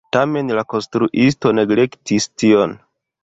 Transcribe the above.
Tamen la konstruisto neglektis tion.